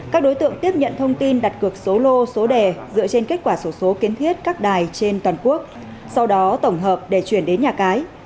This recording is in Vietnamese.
các đối tượng tiếp nhận thông tin đặt cược số lô số đề dựa trên kết quả số số kiến thiết các đài trên toàn quốc sau đó tổng hợp để chuyển đến nhà cái